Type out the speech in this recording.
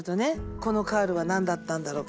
このカールは何だったんだろう